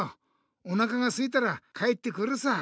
おなかがすいたら帰ってくるさ。